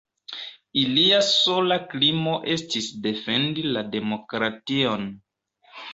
Ilia sola krimo estis defendi la demokration.